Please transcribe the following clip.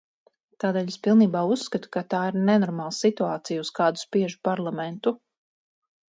Tādēļ es pilnībā uzskatu, ka tā ir nenormāla situācija, uz kādu spiež parlamentu.